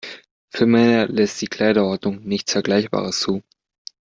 Für Männer lässt die Kleiderordnung nichts Vergleichbares zu.